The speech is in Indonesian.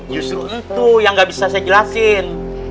justru itu yang gak bisa saya jelasin